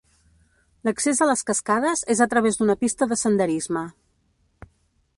L'accés a les cascades és a través d'una pista de senderisme.